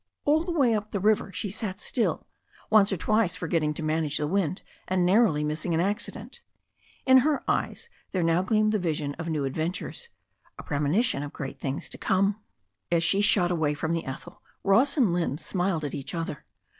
All the way up the river she sat still, once or twice for getting to manage the wind and narrowly missing an acci dent In her eyes there now gleamed the vision of new adventures, a premonition of great things to come. As she shot away from the Ethel, Ross and Lynne smiled at each other.